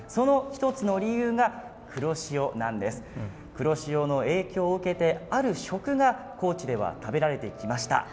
黒潮の影響を受けてある食が高知では食べられてきました。